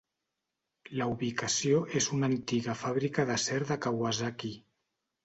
La ubicació és una antiga fàbrica d'acer de Kawasaki.